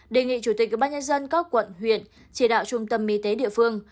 đề nghị chủ tịch ubnd các quận huyện chỉ đạo trung tâm y tế địa phương